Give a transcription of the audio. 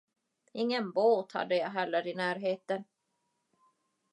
Ingen båt hade jag heller i närheten.